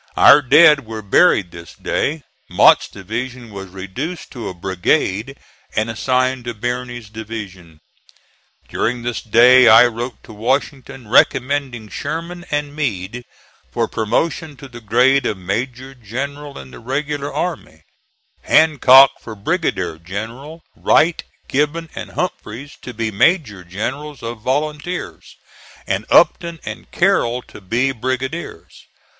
Our dead were buried this day. Mott's division was reduced to a brigade, and assigned to Birney's division. During this day I wrote to Washington recommending Sherman and Meade (*31) for promotion to the grade of Major General in the regular army; Hancock for Brigadier General; Wright, Gibbon and Humphreys to be Major Generals of Volunteers; and Upton and Carroll to be Brigadiers.